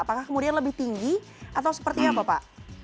apakah kemudian lebih tinggi atau seperti apa pak